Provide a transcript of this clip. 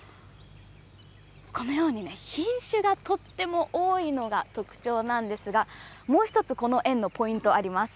このように、品種がとっても多いのが特徴なんですが、もう１つ、この園のポイントあります。